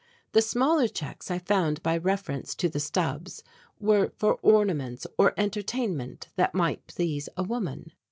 The smaller checks, I found by reference to the stubs, were for ornaments or entertainment that might please a woman.